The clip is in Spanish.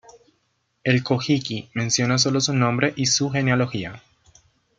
El "Kojiki" menciona sólo su nombre y su genealogía.